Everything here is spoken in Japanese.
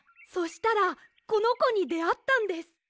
そしたらこのこにであったんです。